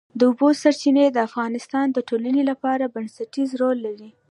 د اوبو سرچینې د افغانستان د ټولنې لپاره بنسټيز رول لري.